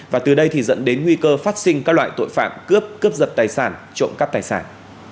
và từ đây thì dẫn đến nguy cơ phát sinh các loại tội phạm cướp cướp giật tài sản trộm cắp tài sản